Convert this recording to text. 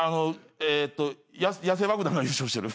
えっと野性爆弾が優勝してる。